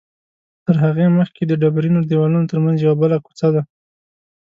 تر هغې مخکې د ډبرینو دیوالونو تر منځ یوه بله کوڅه ده.